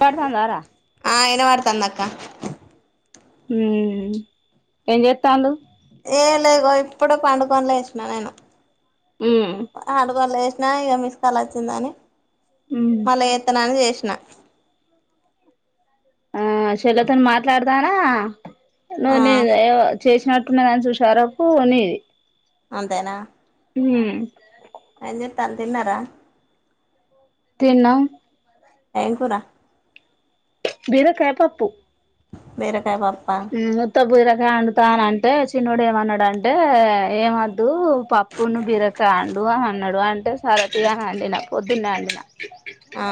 పడుతాందారా ఆ అయిన వాడతందక్క ఊ ఎం చేతాండు ఏ లేగో ఇప్పుడు పండుకుని లేసిన నేను ఉమ్ ఆను పల ఆ ఇక మిస్కల్ వచ్చిందని. ఉమ్ మల ఎత్తనను చేస నా ఆ సెల్లితోను లోతను మాట్లాడదానా న ఆ నీ ఎవ చేసినట్టున్నదని చూశారపు కొనీది అంతేనా హు ఎం చేతున్నారు తిన్నారా? తిన్నాం ఏ కూరా బీరకాయ పప్పు బీరకాయ పప్పా అండుతాన అంటే చిన్నడు ఏమన్నాడు అంటే, ఏమెద్దు పప్పును బీరకాయ వండు అన్నాడు. అంటే సరతిగా వండిన పోద్దున్నే వండిన. ఆ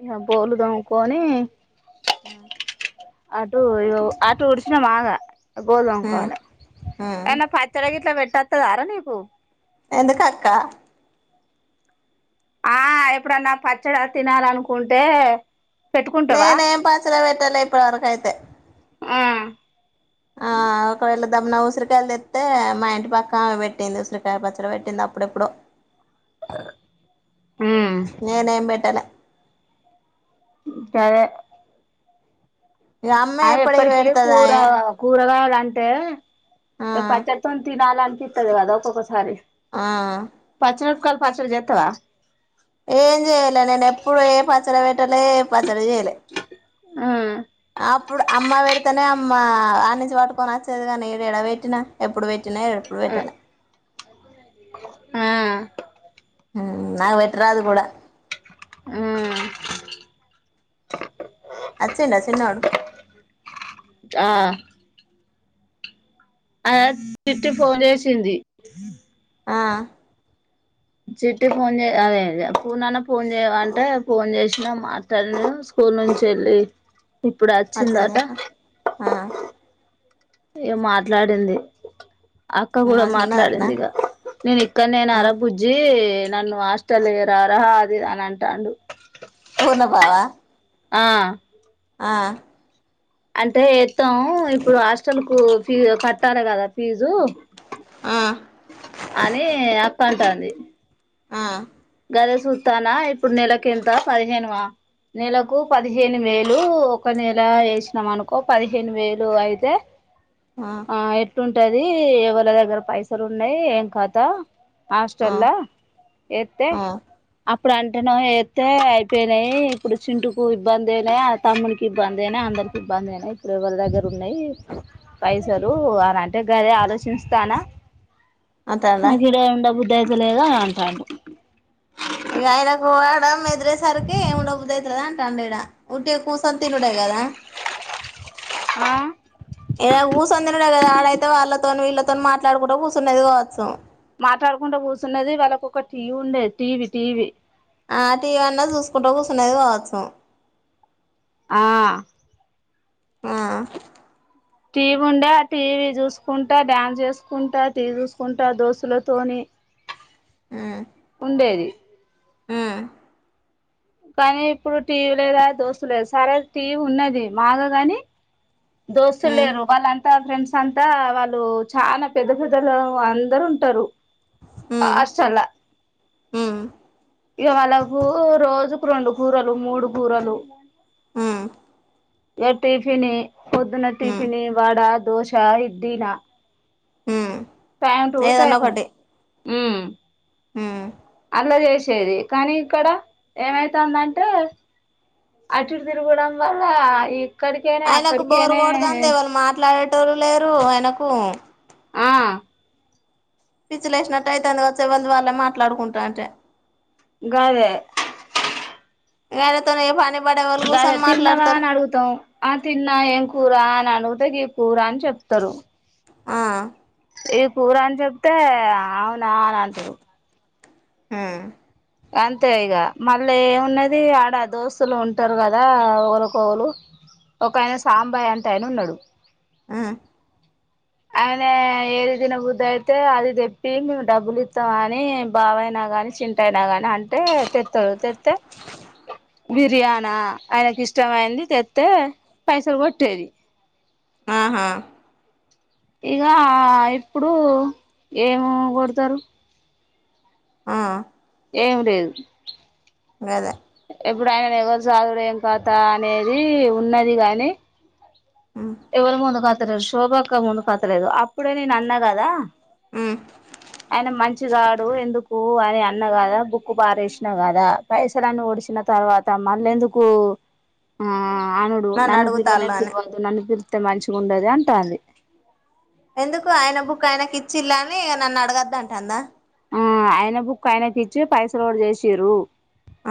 ఇక బోలు దోముకుని ఆటు ఆటు ఉడిచిన మాగా గోలు ఉమ్ దొముకోవాలె ఉమ్ ఎన్న పచ్చడాకిట్లా పెట్ట తెత్తదరా నీకు ఎందుక అక్క ఆ ఎప్పుడన్నా పచ్చడ తినాలనుకుంటే నే పెట్టుకుంటావా నేం పచ్చడ పెట్టాలా ఇప్పుడు వరకైతే ఆ ఆ ఒకవేళ దమ్మున ఉసిరికాయలు తెత్తే మా ఇంటి పక్కమె పెట్టింది. ఉసిరికాయ పచ్చడి పెట్టింది అప్పుడెప్పుడు. ఉమ్ నేను ఎం పెట్టాలె సరే ఇక అమ్మే ఆ ఎప్పటికి ఎప్పటికే కూర పెడతదాయే కూరగా అంటే ఆ పచ్చడితోనే తినాల అంత ఇత్తది కదా ఒక ఒక సారి ఆ పచ్చిమిరపకాయల పచ్చడ జెతవా ఏం చెయాలె నేను ఎప్పుడు ఏ పచ్చడ పెట్టాలె ప తరజేలే ఉమ్ అప్పుడు అమ్మ పెడితేనే అమ్మ ఆడి నుంచి పట్టుకొని వచ్చేదు కానీ ఏడేడా పెట్టినా ఎప్పుడు పెట్టి తిన ఎప్పుడు పెట్టలే ఆ నా వెట్రాదు కూడాడ ఉమ్ అచ్చంట చిన్నోడు ఆ అద తిట్టి ఫోన్ చేసింది ఆ చిట్టి ఫోన్ చే అదేప్పుూ నాన్న ఫోన్ చేయాలంటే ఫోన్ చేసినా మాట్లాడిను స్కూల్ నుంచి వెళ్ళి ఇప్పుడు వచ్చింది వచ్చిందట అట్నా ఆ ఏ మాట్లాడింది అక్క కూడా మంచిగా ఉన్నది అట్నా మాట్లాడింది ఇక నేను ఇక్కడ నేను ఆ అరబుజ్జి నన్ను హాస్టెల్ ఎర అరహా అది నని అంటాండు కొన పావా ఆ ఆ అంటే మొత్తం ఇప్పుడు హాస్టల్ కు ఫీజ కట్టార కదా ఫీజు ఆ అని అక్క అంటాది ఆ గర చూస్తానా ఇప్పుడు నెలకింత పదిహేను నెలకు పదిహేను వేలు ఒక నెల వేసినాం అనుకో పదిహేను వేలు అయితే ఆ ఎటు ఉంటది ఎవళ దగ్గర పైసలు ఉన్నాయి ఏం కాదా ఆ హస్టల్ ఎత్ ఆ అప్పుడు అంటేన ఏతే అయిపోయినాయి ఇప్పుడు చింటుకు ఇబ్బంది అయినా తమ్ముకి ఇబ్బంది అనా అందరికి ఇబ్బంది అయినా ఇప్పుడు ఎవరి దగ్గర ఉన్నాయి పైసరు అన అంటే గరే ఆలోచిస్తానా అంటాండా నాకిడ ఉడా బుద్ దజలేద అంటాడు ఇ ఆయనకుడం ఎదిరేసరికి ఏమిండబుదువుతుదా అంట అండేడా ఉంట కూర్చొని తినుడా కదా ఆ ఏద ఊ సంద ఆడైతే వాళ్ళతో వీళ్ళతో మాట్లాడుకుండా కూర్చునేది కావచ్చు మాట్లాడుకుంటూ కూర్చున్నది వాళ్ళకు ఒక టీవీ ఉండేది టీవీ టీవీ ఆ టీవీ అన్నా చూసుకుంటా కూర్చునేది కావసం ఆ ఆ టీవీ ఉండ టీవీ చూసుకుంటా డ్యాన్స్ చేసుకుంటా టీ చూసుకుంటా దోస్తులతోని ఉండేది హుమ్ కానీ ఇప్పుడు టీవీ లేదా దోస్తు లేదా సరే టీవీ ఉన్నది బాగ కాని దోస్తుల్ ఉమ్ లేరు వాళ్ళంతా ఫ్రెండ్స్ ఇంకంతా వాళ్ళు చాలా పెద్ద పెద్దలు అందరు ఉంటారు హాస్టల్లా హుమ్ ఇక వాళ్ళకు రోజుకు రెండు కూరలు మూడు కూరలు హుమ్ ఇగ టిఫిని పొద్దున ఉమ్ టిఫిని వాడా దోశా ఇడ్లీ నా ఉమ్ టైం టూ టై ఏదన్నా మ్ అలా చేసేది కానీ ఇక్కడ ఏమైతుందంటే అటుడు తిరగడం వల్ల ఈ ఆయనకు బోరుకొడుతాంది ఎవను మాట్లాడేటళ్లు లేరు ఆయనకు ఆ పిచ్చిలు వేసినట్టు అయితే అందుక వచ్చేవళ్ళదు వాళ్ళ మాట్లాడుకుంటా అంటే గాదే ఎర తనే పానీ ద తిన్నావా అని అడుగుతాం ఆ తిన్నా ఏం కూర అని అనుగుత ఈ కూర అని చెప్తారు ఆ ఇది కూర అని చెప్తే అవునా అని అంటారు మ్ అంతే ఇగ, మళ్ళీ ఏమున్నది ఆడ దోస్తులు ఉంటారు కదా, ఒకరిఒకళ్లు ఒక ఆయన సాంబాయ అంటే ఆయన ఉన్నాడు ఆ ఆయన ఏది తిన బుద్ధ అయితే అది తెప్పి మేము డబ్బులు ఇస్తామ అని బావయినా కాని చింట అయినా ని అంటే తెత్తా, తెత్తే బిర్యానా ఆయనకి ఇష్టంమయింది తెత్తే పైసలు కొట్టేది ఆ హా ఇక ఇప్పుడు ఏమ కొడతారు ఆ ఏమి లేదు గదె ఎప్పుడు ఆయన ఎవరు సాదుడేం కథ అనేది ఉన్నది గాని ఉమ్ ఎవరు ముందుకాద్ దర శోభక్క ముందుకుతలేదు అప్పుడే నేను అన్నా కదా ఉమ్ అయినా మంచిగా ఎందుకు అని అన్న కదా బుక్కు బారేసిన కదా, పైసలన్ని ఒడిచిన తర్వాత మళ్ళీ ఎందుకు, ఆ ఆనుడు నన్ను పిలవనే అడుగుతాళ్ళు అని పిలవద్దు నన్ను పిళ్తే మంచిగా ఉండది అంటాంది ఎందుకు ఆయన బుక్ ఆయనకి ఇచ్చిలా అని నన్ను అడగద్దంట అందా. ఆ ఆయన బుక్ ఆయనకి ఇచ్చి పైస లోడ్ చేసిరు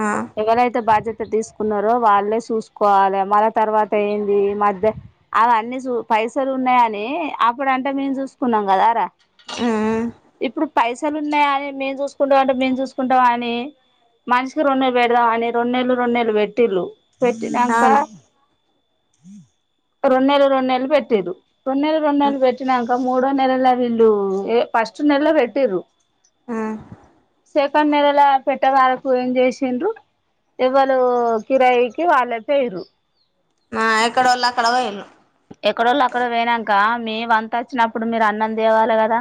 ఆ ఎవరైతే బాజె తీసుకున్నారో వాళ్ళే చూసుకోవాలి. మళ్ళ తర్వాత ఏంది మధ్య అవి అన్నీ చూ పైసలు ఉన్నాయ అని, అప్పుడ అంటే మేము చూసుకున్నాం కదార. ఉమ్ ఇప్పుడు పైస మసలు ఉన్నాయి అని మేము చూసుకుంటా అంటే, మేము చూసుకుంటాం. అని మనిషి రెండు నేలలు పెడదాం అని రెంనేళ్లు రెండు నేలలు పెట్టిళ్ళు. పెట్టినంకా అవును రెండు నెల్లు రెంనెల్లు పెట్టిరు రెంనెల్లు రెంనెల్లు పెట్టినాంక మూడో నెలలో ఇల్ ఫస్ట్ నెల పెట్టిర్రు. ఆ సెకండ్ నెలల పెట్టే వాళ్ళకు ఏం చేసిండ్రు. ఎవలు కిరాయికి వాళ్ళ పోయరు. ఆ ఎక్కడ వళ్ళు అక్కడ పోతున్రు ఎక్కడోళ్ళు అక్కడ పోయినాక మీ వంత వచ్చినప్పుడు మీరు అన్నం తేవాలి కదా!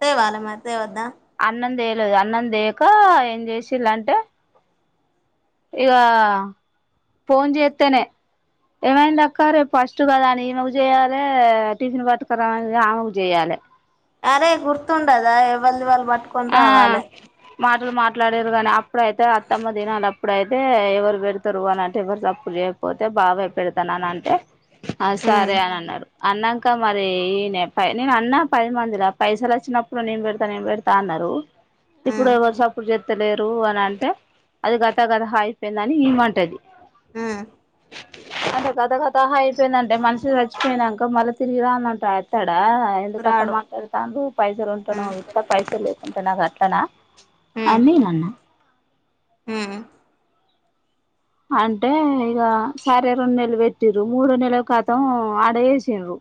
తేవాళ్ళ మరి తెవద్దా అన్నం అన్నం చేక ఏం చేసిలాంటే ఇక ఫోన్ చేత్తేనే ఏమైంది అక్క రేపు ఫస్ట్ చటు కద అని ఈమెకు చేయాలి టిఫిన్ పట్టుకరా అని ఆమెకు చేయాలి అరే గుర్తుంటదా వళ్ళ వాళ్ళు పట్టుకొని రావాలే మాట్లాడేరు కానీ అప్పుడైతే అత్తమ్మ దినాల అప్పుడైతే ఎవరు పెడతారు. అని అంటే ఎవరు తప్పులు చేయకపోతే బాబయి పెడతానని అంటే, ఆ ఉమ్ సరే అన్నారు అన్నాంక మరి నేను అన్న పది మందిలా పైసలు వచ్చినప్పుడు నేను పెడుత నేను పెడతా అన్నారు ఇప్పుడు ఉమ్ ఎవరు సప్పుడు చెత్తలేరు అని అంటే, అది గత గతహా అయిపోయింద అని ఇమంటది. ఉమ్ అంటే గత గతహా అయిపోయిందంటే మనిషి చచ్చిపోయినాక మళ్ళా తిరిగిరా అని అంటా అత్తాడా, ఎందుకు అట్లా రాడు మాట్లాడుతా పైసలు ఉంటాను ఉమ్ అవి. పైసలు లేకుంటున్నా గట్లనా ఉమ్ అన్నిన ఉమ్ అంటే ఇక సరే రెండు నెలలు పెట్టిర్రు మూడు నెల క్రితం ఆడ వేసిన్రు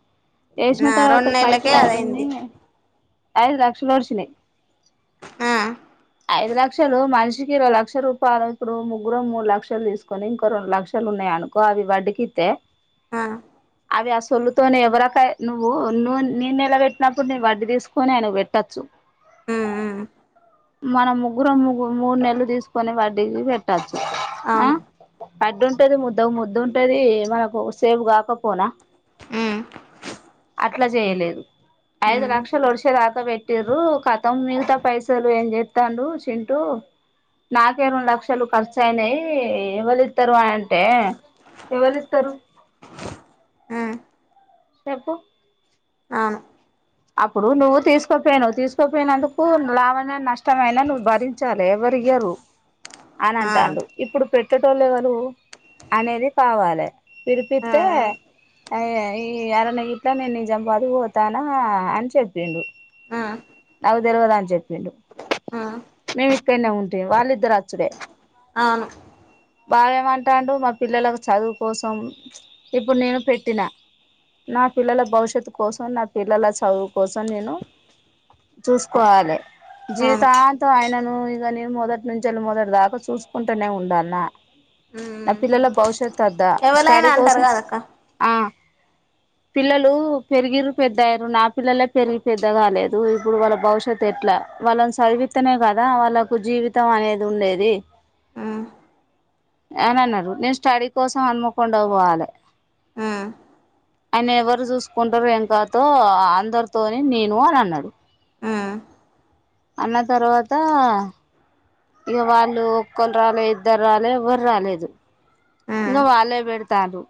వేసిన ఆ రెండు తర్వాత నెలలకే పైసలు ఆడుంది అదయింది ఐదు లక్షలు ఓడ్సినయి ఉ ఐదు లక్షలు మనిషికి ఇరో లక్ష రూపాయలు ఇప్పుడు ముగ్గురం మూడు లక్షలు లు తీసుకొని ఇంకో రెండు లక్షలు ఉన్నాయి అనుకో అవి వడ్డికిత్తే ఆ అవి ఆ సొల్లుతోనే ఎవరక నువ్వు ను నే నిలబెట్టినప్పుడు, నువు వడ్డీ తీసుకొని ఆయన పెట్టొచ్చు. ఉమ్ ఉమ్ మన ముగ్గురం ముగ్గు మూడు నెలలు తీసుకొని వడ్డీ కి పెట్టచ్చు అవును అడ్డుంటది ముద్ద ముద్దు ఉంటది మనకు సేవ్ కాకపోనా ఉమ్ అట్లా చేయలేదు. ఐదు ఉమ్ లక్షలు వడిసే దాకా పెట్టిరు కతం మిగతా పైసా అసలు ఏం చెస్తాడు. చింటూ నాకే రెండు లక్షలు ఖర్చు అయినాయి ఎవరిస్తారు అని అంటే, ఎవ్వలిత్తరు చెపు ఆ అప్పుడు నువ్వు తీస్ తీస్కోపోయిను తీసుకోపోయినందుకు లాభమైన నష్టమయినా నువ్వు భరించాలి ఎవ్వర్ ఇయరు అని ఆ అంటాడు ఇప్పుడు పెట్ట తెల్వదే అనేది కావాలి ఆ పిలిపిస్తే ఈ అరన ఇట్లా నేన్ నిజామాబాద్ పోతాన ఆ అని చెప్పిండు. ఆ ఆ [inaudible] ఆ వాడేం మంటాడు మా పిల్లలకు చదువు కోసం ఇప్పుడు నేను పెట్టిన నా పిల్లల భవిష్యత్తు కోసం నా పిల్లల చదువు కోసం నేను చూస్కోవాలె అవును జీవితాంతం ఆయన ఒ ఇగ నేను మొదటి నుంచెల్లి మొదటి దాకా చూసుకుంటనే ఉండాల్నా ఆ ఉమ్ పిల్లలా భవిష్య ఎవలైనా స్టడీ అంటారు కోసం కదక్క ఆ పిల్లలు పెరిగిన్రూ పెద్దాయిన్రు నా పిల్లలే పెరిగి పెద్ద కాలేదు ఇప్పుడు వాళ్ళ భవిష్యత్తు ఎట్లా వాళ్ళని చదివిత్తెనే కదా వాళ్ళకు జీవితం అనేది ఉండేది. ఉమ్ అననన్నరు. నేన్ స్టడీ కోసం హన్మకొండ పోవాలె ఆ ఆయన ఎవరు చూసుకుంటరో ఏం కథో అందరితోని తిను అని అన్నది. ఉమ్ అన్న తర్వాత ఇగ వాళ్ళు ఒక్కరు రాలే ఇద్దరు రాలే ఎవ్వరు రాలేదు ఇంక ఉమ్ వాళ్ళే పెడతారు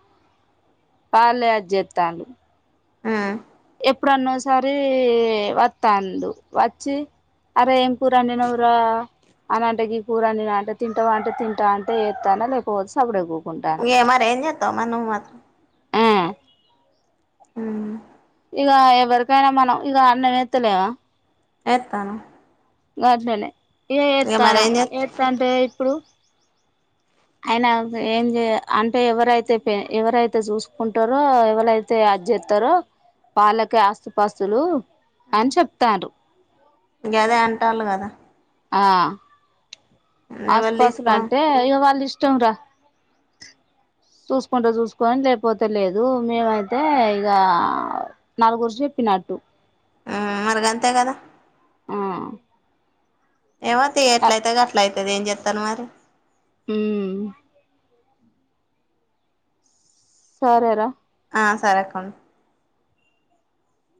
వాళ్ళే అద్ చెత్తన్లు ఉమ్ ఎప్పుడన్నోసారి వస్తాడు వచ్చి అరే ఏం కూర అండినవురా అన అంటకి కూరండి అంటే తింటావు అంటే తింటా అంటే వస్తాన లేకపోతే సబడే ఏ మారి ఏంజత్త ను మాత్రం ఆ ఉమ్ ఇగ ఎవరికైనా మనం ఇగ అన్నం ఎత్తలేమా ఎత్తాను గట్లనే ఇగ ఎత్తన్న ఏం చేత్ ఎస్తంటే ఇప్పుడు ఆయన ఏం చేయ అంటే ఎవరైతే ఎవరైతే చూసుకుంటారో ఎవరైతే అదిస్తారో వాళ్ళకి ఆస్తుపాస్తులు అని చెప్తాండ్రు గదే అంటాలు గదా ఆ ఎవలు తీసుకో ఆస్తుపాస్తులంటే ఇగ వాళ్ ఇష్ ఇష్టం రా చూసుకుంటే చూసుకోని లేకపోతే లేదు మేమైతే ఇగ నలుగురు చెప్పినట్టు ఉమ్ మరిగంతే గదా ఉమ్ ఏమో తి ఎట్లయితే గట్లయిత ఏది ఏం చెత్తాను మరి హ్మ్ సరే రా ఆ సరే అక్కా